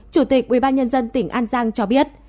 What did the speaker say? chủ tịch ubnd tỉnh an giang cho biết